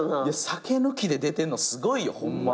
酒抜きで出てんのすごいよホンマ。